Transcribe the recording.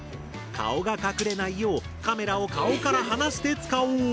顔が隠れないようカメラを顔から離して使おう！